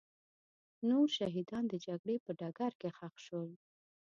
نور شهیدان د جګړې په ډګر کې ښخ شول.